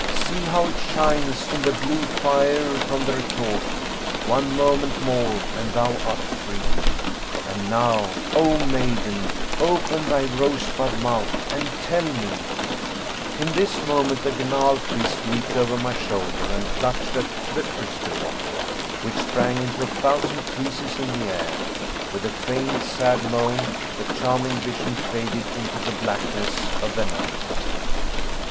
See how it shines in the blue fire from the retort. One moment more and thou art free. And now, O maiden, open thy rosebud mouth and tell me " In this moment a gnarled fist leaped over my shoulder and clutched at the crystal bottle, which sprang into a thousand pieces in the air. With a faint, sad moan, the charming vision faded into the blackness of the night.